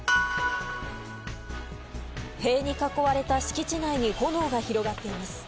塀に囲われた敷地内に炎が広がっています。